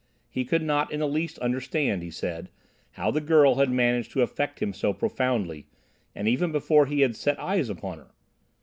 He could not in the least understand, he said, how the girl had managed to affect him so profoundly, and even before he had set eyes upon her.